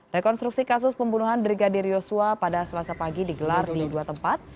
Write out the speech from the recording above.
rekonstruksi kasus pembunuhan brigadir yosua pada selasa pagi digelar di dua tempat